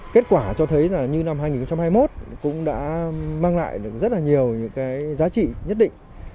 kết quả cho thấy như năm hai nghìn hai mươi một cũng đã mang lại rất nhiều giá trị nhất định